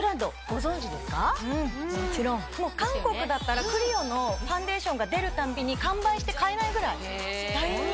韓国だったらＣＬＩＯのファンデーションが出るたびに完売して買えないぐらい大人気。